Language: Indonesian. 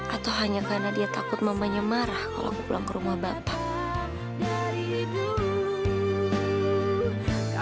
atau hanya karena dia takut mamanya marah kalau aku pulang ke rumah bapak